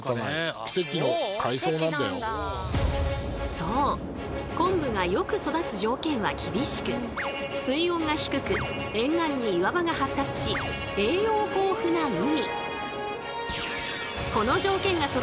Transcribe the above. そう昆布がよく育つ条件は厳しく水温が低く沿岸に岩場が発達し栄養豊富な海。